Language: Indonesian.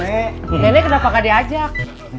nenek kenapa gak diajak